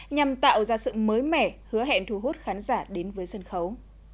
nhằm tạo ra sự mới mẻ hứa hẹn thu hút khán giả đến với sân khấu